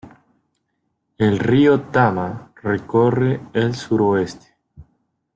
El río Tama recorre el suroeste.